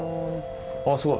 あっすごい。